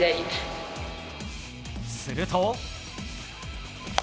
すると。